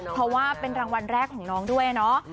เพราะว่าเป็นรางวัลแรกของน้องด้วยเนาะ